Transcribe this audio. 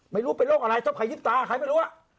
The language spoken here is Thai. ไม่รู้เป็นโรคอะไรถ้าใครยิบตาใครไม่รู้